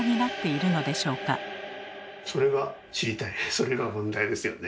それが問題ですよね。